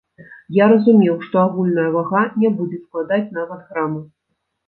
Я разумеў, што агульная вага не будзе складаць нават грама.